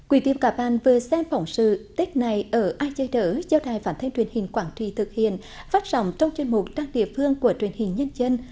quỳ tiêm cả ban vừa xem phỏng sự tết này ở a gi đớ do đài phản thêm truyền hình quảng trị thực hiện phát sóng trong chương mục đăng địa phương của truyền hình nhân dân